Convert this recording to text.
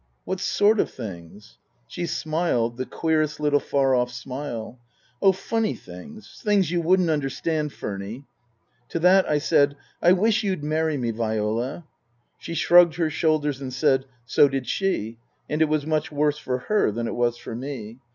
" What sort of things ?" She smiled, the queerest little, far off smile. " Oh, funny things things you wouldn't understand, Furny." To that I said, " I wish you'd marry me, Viola." She shrugged her shoulders and said, So did she, and it was much worse for her than it was for me.